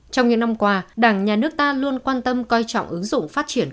trong những năm qua đảng nhà nước ta luôn quan tâm coi trọng ứng dụng phát triển công dân